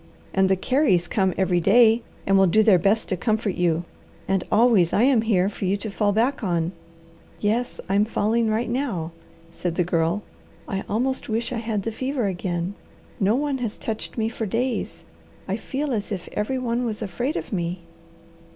And the Careys come every day, and will do their best to comfort you, and always I am here for you to fall back on." "Yes, I'm falling right now," said the Girl. "I almost wish I had the fever again. No one has touched me for days. I feel as if every one was afraid of me."